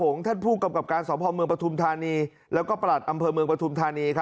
ท่านผู้กำกับการสอบภอมเมืองปฐุมธานีแล้วก็ประหลัดอำเภอเมืองปฐุมธานี